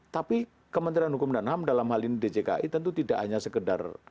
tapi kementerian hukum dan ham dalam hal ini djki tentu tidak hanya sekedar